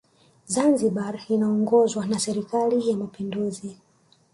zanzibar inaongozwa na serikali ya mapinduzi